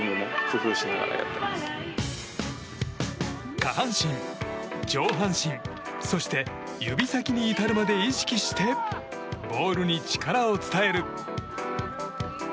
下半身、上半身そして指先に至るまで意識してボールに力を伝える。